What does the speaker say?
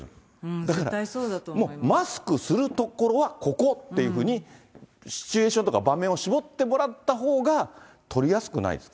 だから、もうマスクするところはここっていうふうに、シチュエーションとか場面を絞ってもらったほうが、取りやすくないですか？